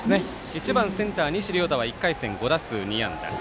１番センターの西稜太は１回戦５打数２安打。